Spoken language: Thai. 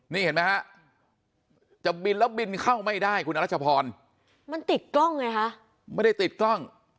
นี่เห็นไหมฮะจะบินแล้วบินเข้าไม่ได้คุณอรัชพรมันติดกล้องไงฮะไม่ได้ติดกล้อง